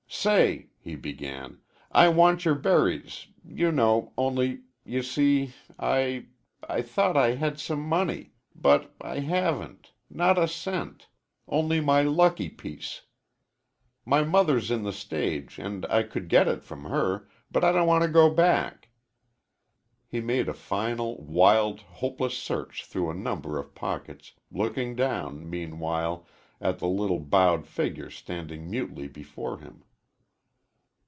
"Say," he began, "I want your berries, you know, only, you see, I I thought I had some money, but I haven't not a cent only my lucky piece. My mother's in the stage and I could get it from her, but I don't want to go back." He made a final, wild, hopeless search through a number of pockets, looking down, meanwhile, at the little bowed figure standing mutely before him.